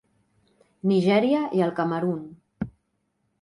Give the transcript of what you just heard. Nigèria i el Camerun.